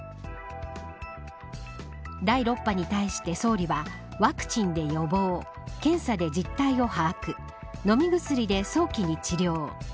第６波に対して、総理はワクチンで予防検査で実態を把握飲み薬で早期に治療